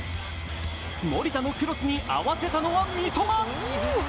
守田のクロスに合わせたのは三笘。